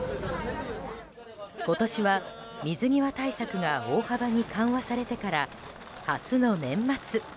今年は水際対策が大幅に緩和されてから初の年末。